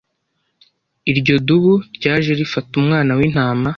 Iryo dubu ryaje rifata umwana w’intama